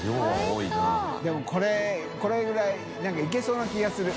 任これぐらい何かいけそうな気がする。